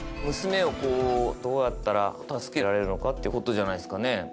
娘をどうやったら助けられるのかってことじゃないですかね